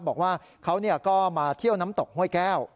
บอกว่าเขาก็มาเที่ยวน้ำตกห้วยแก้ว